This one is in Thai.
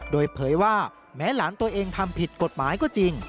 โดยเผยว่าแม้หลานตัวเองทำผิดกฎหมายก็จริง